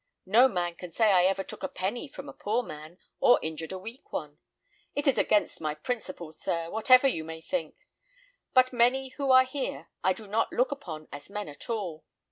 No man can say I ever took a penny from a poor man, or injured a weak one. It is against my principles, sir, whatever you may think; but many who are here I do not look upon as men at all.